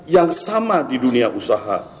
yang sama di dunia usaha